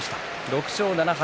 ６勝７敗。